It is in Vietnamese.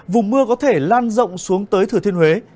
vùng mưa có thể lan rộng xuống tới thừa thiên huế